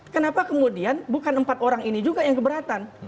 kenapa kemudian bukan empat orang ini juga yang keberatan